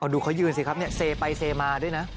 ดูเขายืนสิครับเนี่ยเซไปเซมาด้วยนะ